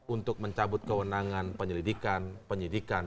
untuk mencabut kewenangan penyelidikan